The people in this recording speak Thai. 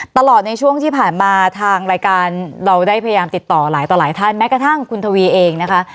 ตลอดในช่วงที่ผ่านมาทางรายการเราได้พยายามติดต่อหลายต่อหลายท่านแม้กระทั่งคุณทวีเองนะคะ